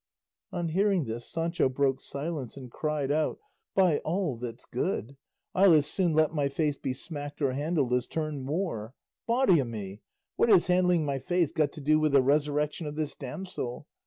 On hearing this Sancho broke silence and cried out, "By all that's good, I'll as soon let my face be smacked or handled as turn Moor. Body o' me! What has handling my face got to do with the resurrection of this damsel?